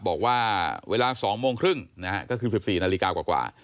บอกว่าเวลา๒โมงครึ่งนะฮะก็คือ๑๔นาฬิกากว่า